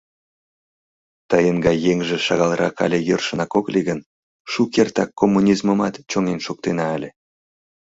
Тыйын гай еҥже шагалрак але йӧршынак ок лий гын, шукертак коммунизмымат чоҥен шуктена ыле.